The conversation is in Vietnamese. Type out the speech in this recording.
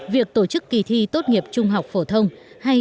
việc tổ chức kỳ thi tốt nghiệp trung học phổ thông